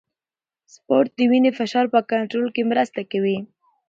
سپورت د وینې فشار په کنټرول کې مرسته کوي.